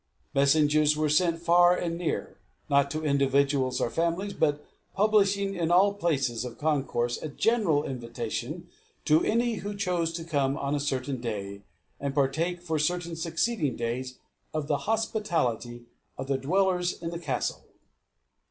Messengers were sent far and near, not to individuals or families, but publishing in all places of concourse a general invitation to any who chose to come on a certain day, and partake for certain succeeding days of the hospitality of the dwellers in the castle.